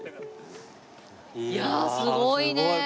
いやあすごいねえ！